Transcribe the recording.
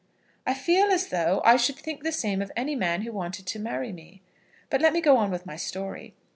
"I feel as though I should think the same of any man who wanted to marry me. But let me go on with my story.